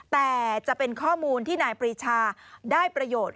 แต่จะเป็นข้อมูลที่นายปรีชาได้ประโยชน์